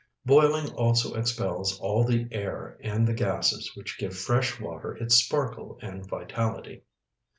Boiling also expels all the air and the gases which give fresh water its sparkle and vitality.